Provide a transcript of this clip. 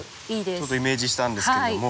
ちょっとイメージしたんですけれども。